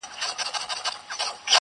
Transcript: هغو چي کړه تسخیر د اسمان ستوريقاسم یاره,